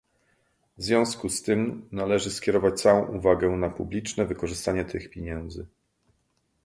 W związku z tym należy skierować całą uwagę na publiczne wykorzystanie tych pieniędzy